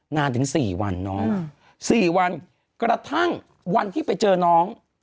นานถึง๔วันน้อง๔วันกระทั่งวันที่ไปเจอน้อง